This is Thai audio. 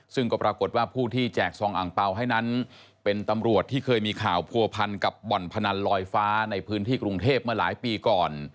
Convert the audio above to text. ซึ่งก็ปรากฏว่าผู้ที่แจกซองอ่างเปล่าให้นั้นเป็นตำรวจที่เคยมีข่าวผัวพันกับบ่อนพนันลอยฟ้าในพื้นที่กรุงเทพเมื่อหลายปีก่อน